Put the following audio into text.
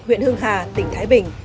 huyện hương hà tỉnh thái bình